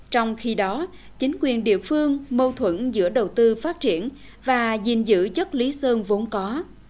trong khi đó chính quyền địa phương mâu thuẫn giữa đầu tư phát triển và gìn giữ chất lý sơn vốn có